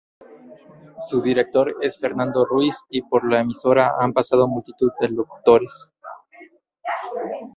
Su director es Fernando Ruiz, y por la emisora han pasado multitud de locutores.